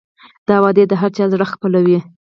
دا وعدې د هر چا زړه خپلوي.